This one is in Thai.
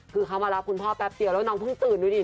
คือเขามารับคุณพ่อแป๊บเดียวแล้วน้องเพิ่งตื่นดูดิ